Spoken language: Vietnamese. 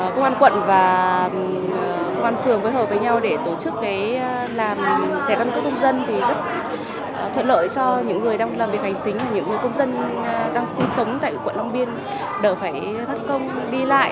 công an quận và công an phường với hợp với nhau để tổ chức cái làm trẻ con cứu công dân thì rất thuận lợi cho những người đang làm việc hành chính những người công dân đang sinh sống tại quận long biên đỡ phải thất công đi lại